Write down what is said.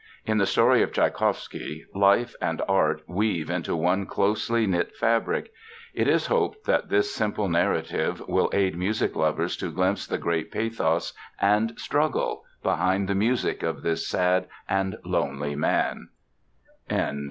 In the story of Tschaikowsky, life and art weave into one closely knit fabric. It is hoped that this simple narrative will aid music lovers to glimpse the great pathos and struggle behind the music of this sad and lonely man.